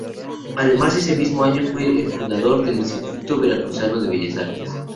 Además ese mismo año fue el fundador del Instituto Veracruzano de Bellas Artes.